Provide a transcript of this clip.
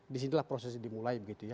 disinilah proses dimulai begitu ya